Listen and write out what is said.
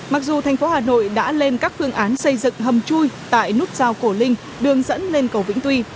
mặc dù thành phố hà nội đã lên các phương án xây dựng hầm chui tại nút giao cổ linh đường dẫn lên cầu vĩnh tuy